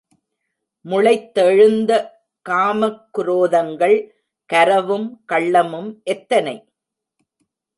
முளைத்தெழுந்த காமக்குரோதங்கள், கரவும் கள்ளமும் எத்தனை?